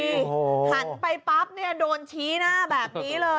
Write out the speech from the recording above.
หันไปปั๊บเนี่ยโดนชี้หน้าแบบนี้เลย